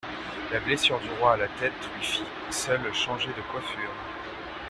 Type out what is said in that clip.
La blessure du roi à la tête lui fit seule changer de coiffure.